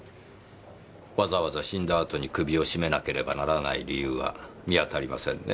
わざわざ死んだあとに首を絞めなければならない理由は見当たりませんね